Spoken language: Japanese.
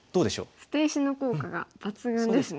捨て石の効果が抜群ですね。